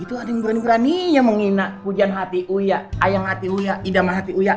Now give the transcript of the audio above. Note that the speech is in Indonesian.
itu ada yang berani berani yang menghina hujan hati uya ayam hati uya idama hati uya